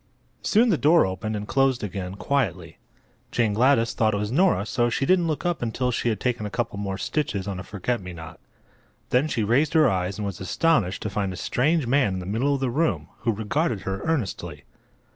Soon the door opened and closed again, quietly. Jane Gladys thought it was Nora, so she didn't look up until she had taken a couple more stitches on a forget me not. Then she raised her eyes and was astonished to find a strange man in the middle of the room, who regarded her earnestly.